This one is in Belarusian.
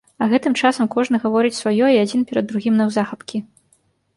А гэтым часам кожны гаворыць сваё і адзін перад другім наўзахапкі.